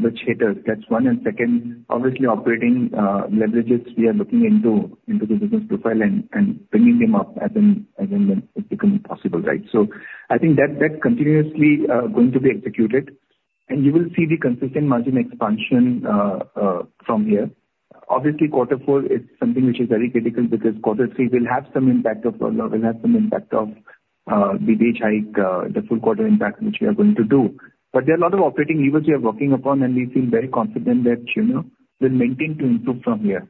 which hit us. That's one. And second, obviously, operating leverages, we are looking into the business profile and bringing them up as and when it's become possible, right? So I think that's continuously going to be executed, and you will see the consistent margin expansion from here. Obviously, quarter four is something which is very critical because quarter three will have some impact of the wage hike, the full quarter impact, which we are going to do. But there are a lot of operating levers we are working upon, and we feel very confident that, you know, we'll maintain to improve from here,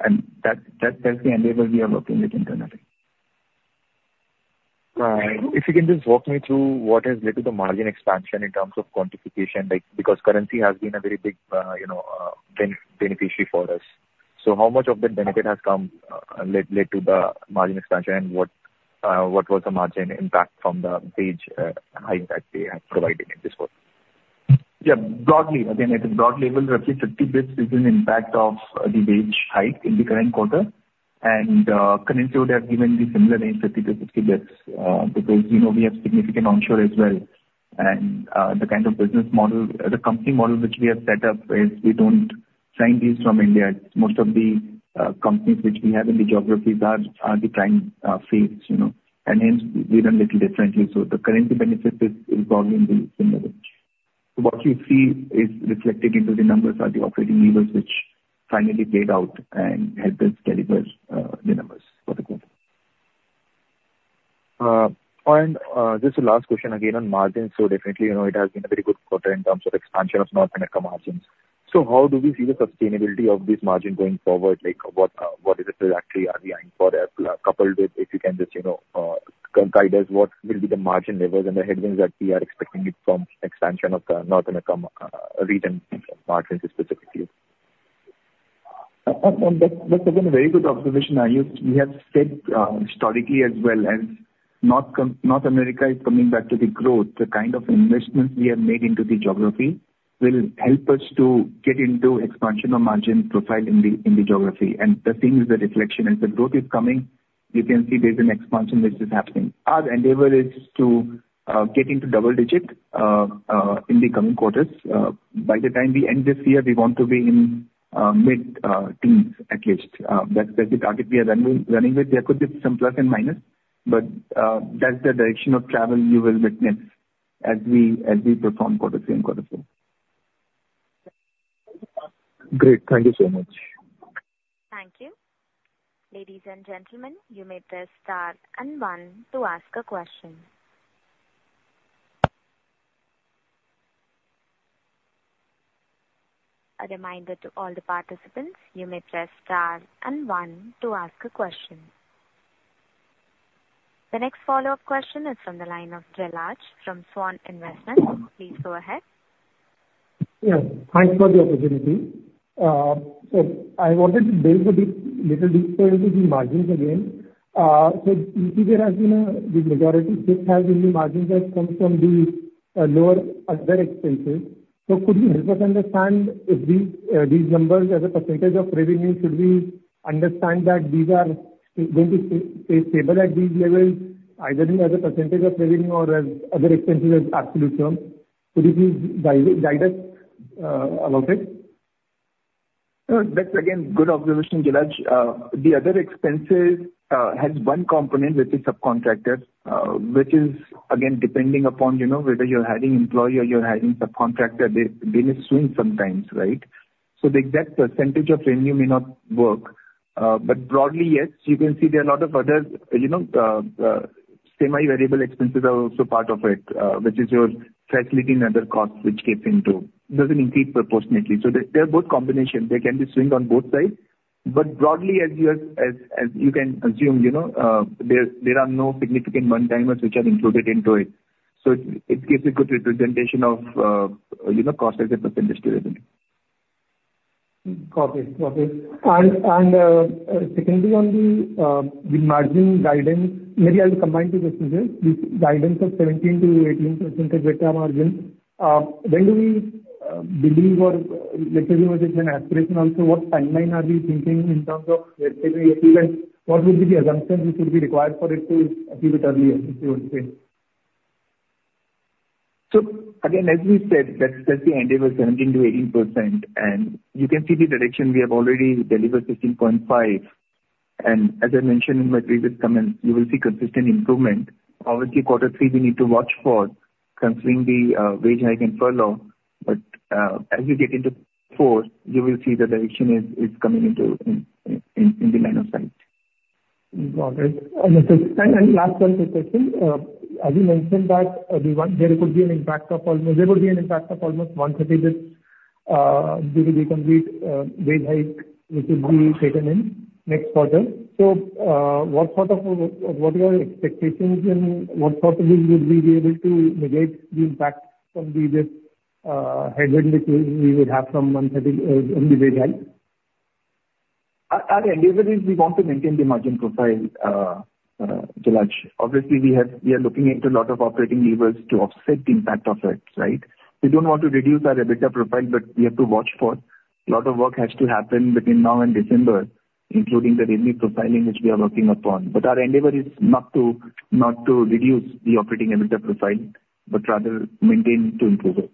and that, that's the endeavor we are working with internally. If you can just walk me through what has led to the margin expansion in terms of quantification, like, because currency has been a very big, you know, beneficiary for us. So how much of the benefit has come, led to the margin expansion, and what was the margin impact from the wage hike that we have provided in this quarter? Yeah. Broadly, again, at a broad level, roughly 50 basis points impact of the wage hike in the current quarter. And currency would have given the similar range, 50-50 bps, because, you know, we have significant onshore as well. And the kind of business model, the company model which we have set up is we don't sign these from India. Most of the companies which we have in the geographies are the prime fees, you know, and hence we run little differently. So the currency benefit is probably in the similar range. What we see is reflected into the numbers are the operating leverage, which finally played out and helped us deliver the numbers for the quarter. And, just the last question again on margins. So definitely, you know, it has been a very good quarter in terms of expansion of North America margins. So how do we see the sustainability of this margin going forward? Like, what, what is the trajectory are we eyeing for, coupled with, if you can just, you know, guide us, what will be the margin levels and the headwinds that we are expecting it from expansion of the North America, region margins specifically? That's again a very good observation, Ayush. We have said historically as well as North America is coming back to the growth, the kind of investments we have made into the geography will help us to get into expansion of margin profile in the geography. And the same is the reflection, as the growth is coming, you can see there's an expansion which is happening. Our endeavor is to get into double digits in the coming quarters. By the time we end this year, we want to be in mid teens, at least. That's the target we are running with. There could be some plus and minus, but that's the direction of travel you will witness as we perform quarter three and quarter four. Great. Thank you so much. Thank you. Ladies and gentlemen, you may press star and one to ask a question. A reminder to all the participants, you may press star and one to ask a question. The next follow-up question is from the line of Jalaj Svan Investments. please go ahead. Yes, thanks for the opportunity. So I wanted to dig a bit little deeper into the margins again. So there has been the majority spike in the margins has come from the lower other expenses. So could you help us understand if these numbers as a percentage of revenue, should we understand that these are going to stay stable at these levels, either as a percentage of revenue or as other expenses as absolute term? Could you please guide us about it? No, that's again, good observation, Jalaj. The other expenses has one component, which is subcontractors, which is again, depending upon, you know, whether you're hiring employee or you're hiring subcontractor, they, they may swing sometimes, right? So the exact percentage of revenue may not work. But broadly, yes, you can see there are a lot of other, you know, semi-variable expenses are also part of it, which is your facility and other costs which came into. It doesn't increase proportionately. So they, they're both combination. They can be swinged on both sides. But broadly, as you are, as you can assume, you know, there are no significant one-timers which are included into it. So it, it gives a good representation of, you know, cost as a percentage to revenue. Got it. Secondly, on the margin guidance, maybe I'll combine two questions here. The guidance of 17%-18% EBITDA margin, when do we believe, or let's say, what is an aspiration also, what timeline are we thinking in terms of achieving it? What will be the assumptions which will be required for it to achieve it early, as you would say? Again, as we said, that the endeavor is 17%-18%, and you can see the direction. We have already delivered 16.5%. And as I mentioned in my previous comment, you will see consistent improvement. Obviously, quarter three, we need to watch for considering the wage hike and furlough. But as you get into four, you will see the direction is coming into the line of sight. Got it, and last one quick question. As you mentioned that there will be an impact of almost 1%, due to the complete wage hike, which will be taken in next quarter. So, what sort of, what are your expectations and what possibly would we be able to mitigate the impact from this, headwind, which we would have from 1% in the wage hike? Our endeavor is we want to maintain the margin profile, Jalaj. Obviously, we have, we are looking into a lot of operating levers to offset the impact of it, right? We don't want to reduce our EBITDA profile, but we have to watch for. A lot of work has to happen between now and December, including the revenue profiling, which we are working upon. But our endeavor is not to reduce the operating EBITDA profile, but rather maintain to improve it.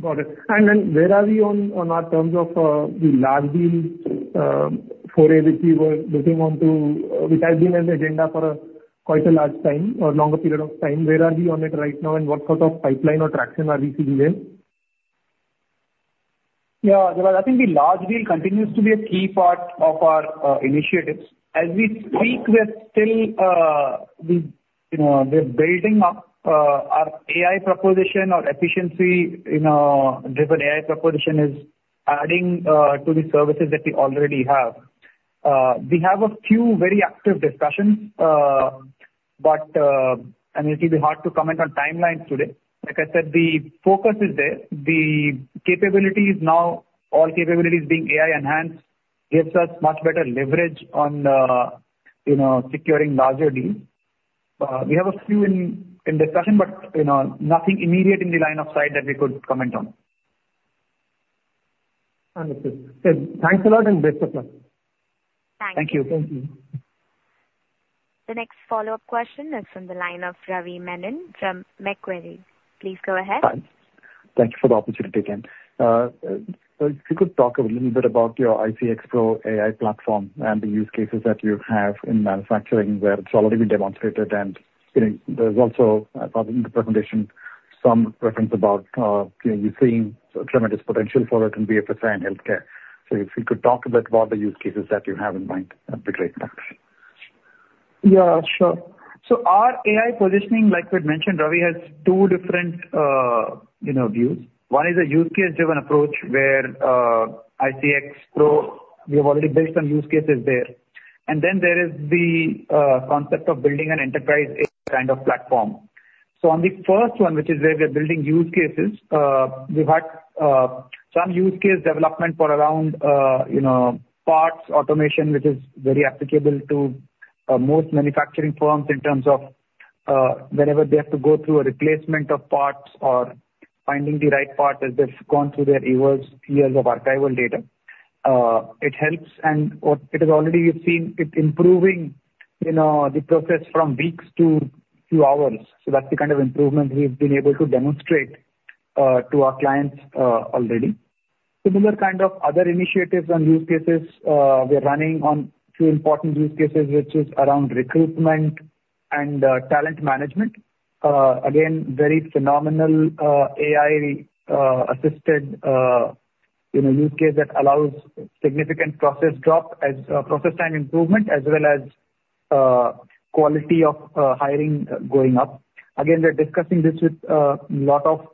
Got it. And then where are we on our terms of the large deal, for which we were looking on to, which has been on the agenda for quite a large time or longer period of time. Where are we on it right now, and what sort of pipeline or traction are we seeing there? Yeah, Jalaj, I think the large deal continues to be a key part of our initiatives. As we speak, we're still, you know, we're building up our AI proposition or efficiency, you know, different AI proposition is adding to the services that we already have. We have a few very active discussions, but, and it will be hard to comment on timelines today. Like I said, the focus is there. The capabilities now, all capabilities being AI-enhanced, gives us much better leverage on, you know, securing larger deals. We have a few in discussion, but, you know, nothing immediate in the line of sight that we could comment on. Understood. Okay. Thanks a lot and best of luck. Thank you. Thank you. The next follow-up question is from the line of Ravi Menon from Macquarie. Please go ahead. Hi. Thank you for the opportunity again. If you could talk a little bit about your icxPro AI platform and the use cases that you have in manufacturing, where it's already been demonstrated, and, you know, there's also, I thought in the presentation, some reference about, you, you're seeing tremendous potential for it in BFSI and healthcare. So if you could talk a bit about the use cases that you have in mind, that'd be great, thanks. Yeah, sure. So our AI positioning, like we had mentioned, Ravi, has two different, you know, views. One is a use case-driven approach, where, icxPro, we have already built some use cases there. And then there is the, concept of building an enterprise AI kind of platform. So on the first one, which is where we are building use cases, we've had, some use case development for around, you know, parts automation, which is very applicable to, most manufacturing firms in terms of, whenever they have to go through a replacement of parts or finding the right part, as they've gone through their years of archival data. It helps and/or it is already seen, it's improving, you know, the process from weeks to few hours. So that's the kind of improvement we've been able to demonstrate to our clients already. Similar kind of other initiatives and use cases we are running on two important use cases, which is around recruitment and talent management. Again, very phenomenal AI assisted you know use case that allows significant process drop as process time improvement, as well as quality of hiring going up. Again, we're discussing this with lot of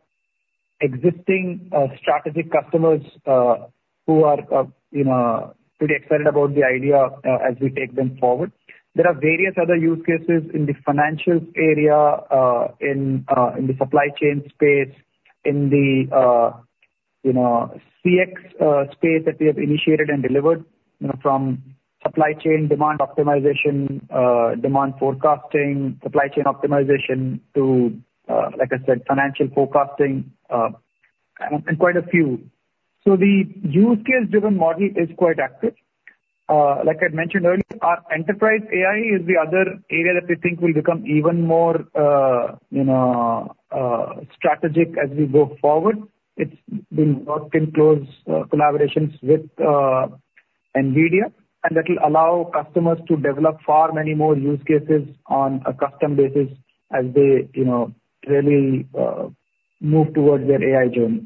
existing strategic customers who are you know pretty excited about the idea as we take them forward. There are various other use cases in the financials area, in the supply chain space, in the, you know, CX, space that we have initiated and delivered, you know, from supply chain demand optimization, demand forecasting, supply chain optimization to, like I said, financial forecasting, and quite a few. So the use case-driven model is quite active. Like I mentioned earlier, our enterprise AI is the other area that we think will become even more, you know, strategic as we go forward. It's been working close, collaborations with, NVIDIA, and that will allow customers to develop far many more use cases on a custom basis as they, you know, really, move towards their AI journey.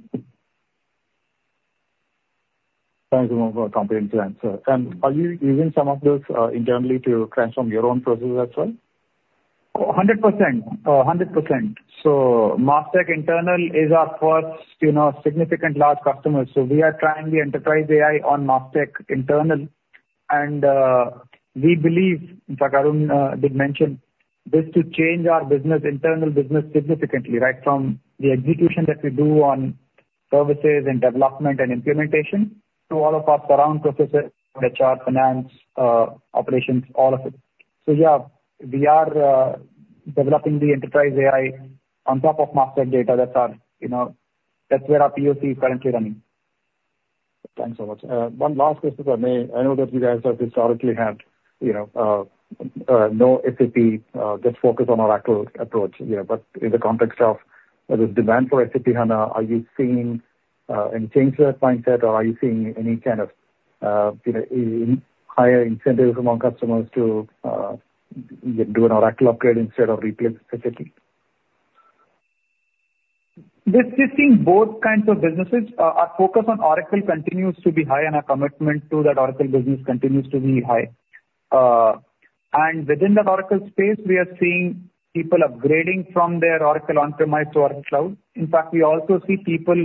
Thanks for comprehensive answer, and are you using some of those internally to transform your own processes as well? Oh, 100%. So Mastek internal is our first, you know, significant large customer, so we are trying the Enterprise AI on Mastek internal. We believe, in fact, Arun did mention this to change our business, internal business significantly, right? From the execution that we do on services and development and implementation to all of our surrounding processes, HR, finance, operations, all of it. So yeah, we are developing the Enterprise AI on top of Mastek data. That's our, you know, that's where our POC is currently running. Thanks so much. One last question, if I may. I know that you guys have historically had, you know, no SAP, just focus on Oracle approach. Yeah, but in the context of the demand for SAP, are you seeing any change to that mindset, or are you seeing any kind of, you know, higher incentive among customers to do an Oracle upgrade instead of replace SAP? We're seeing both kinds of businesses. Our focus on Oracle continues to be high, and our commitment to that Oracle business continues to be high. And within that Oracle space, we are seeing people upgrading from their Oracle on-premise to Oracle Cloud. In fact, we also see people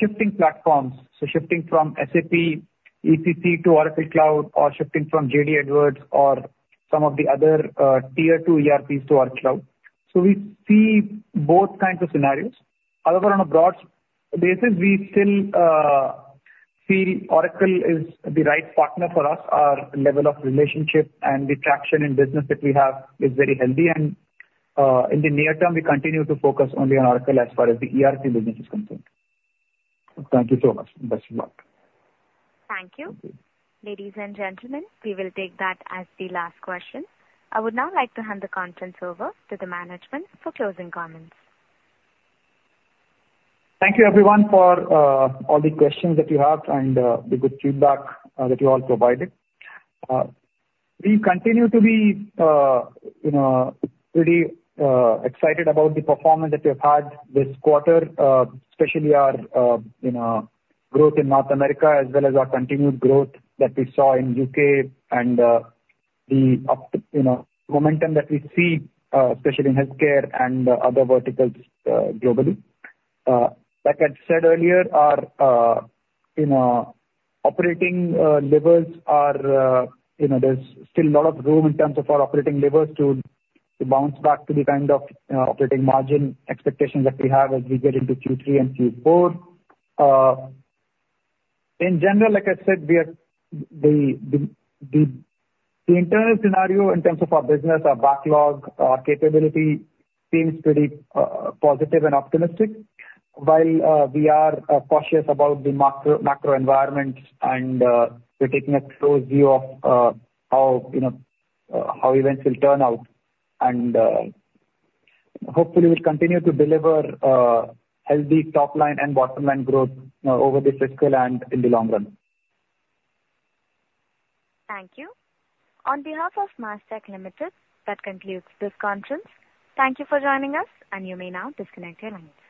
shifting platforms, so shifting from SAP ECC to Oracle Cloud or shifting from JD Edwards or some of the other, Tier 2 ERPs to Oracle Cloud. So we see both kinds of scenarios. However, on a broad basis, we still feel Oracle is the right partner for us. Our level of relationship and the traction in business that we have is very healthy. And in the near term, we continue to focus only on Oracle as far as the ERP business is concerned. Thank you so much, and best of luck. Thank you. Ladies and gentlemen, we will take that as the last question. I would now like to hand the conference over to the management for closing comments. Thank you, everyone, for all the questions that you have and the good feedback that you all provided. We continue to be, you know, pretty excited about the performance that we've had this quarter, especially our, you know, growth in North America, as well as our continued growth that we saw in U.K. and you know, momentum that we see, especially in healthcare and other verticals, globally. Like I said earlier, our, you know, operating levers are, you know, there's still a lot of room in terms of our operating levers to bounce back to the kind of operating margin expectations that we have as we get into Q3 and Q4. In general, like I said, we are seeing the internal scenario in terms of our business, our backlog, our capability seems pretty positive and optimistic. While we are cautious about the macro environment and we're taking a close view of how, you know, how events will turn out, and hopefully we'll continue to deliver healthy top line and bottom line growth over the fiscal and in the long run. Thank you. On behalf of Mastek Limited, that concludes this conference. Thank you for joining us, and you may now disconnect your lines.